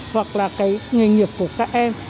hoặc là cái nghề nghiệp của các em